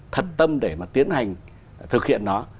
thật tâm để mà tiến hành thực hiện nó